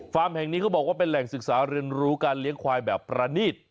แห่งนี้เขาบอกว่าเป็นแหล่งศึกษาเรียนรู้การเลี้ยงควายแบบประนีต